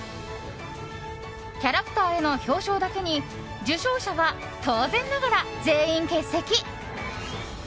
キャラクターへの表彰だけに受賞者は、当然ながら全員欠席。